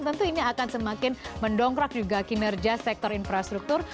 tentu ini akan semakin mendongkrak juga kinerja sektor infrastruktur